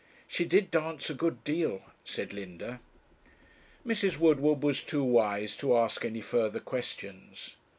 'She did dance a good deal,' said Linda. Mrs. Woodward was too wise to ask any further questions.